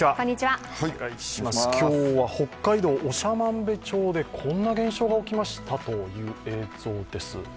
今日は、北海道長万部町でこんな現象が起きましたという映像です。